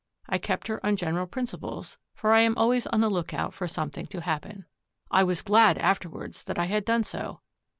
I kept her on general principles, for I am always on the lookout for something to happen. I was glad afterwards that I had done so.